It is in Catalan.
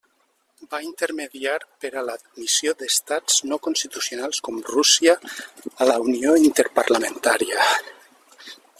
Va intermediar per a l'admissió d'estats no constitucionals, com Rússia, a la Unió Interparlamentària.